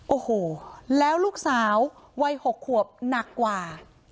โอ้โหแล้วลูกสาววัย๖ขวบหนักกว่า